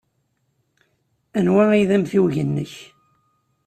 Anwa ay d amtiweg-nnek?